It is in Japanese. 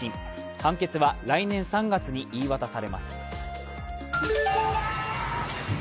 判決、来年３月に言い渡されます。